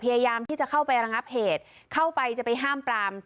พยายามที่จะเข้าไประงับเหตุเข้าไปจะไปห้ามปราม